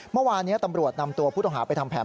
เมื่อวานนี้ตำรวจนำตัวผู้ต้องหาไปทำแผน